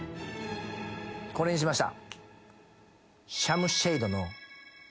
これにしました。